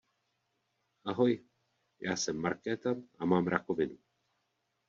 Ahoj, já jsem Markéta a mám rakovinu.